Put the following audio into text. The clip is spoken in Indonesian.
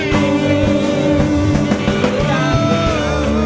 jauh jauh darimu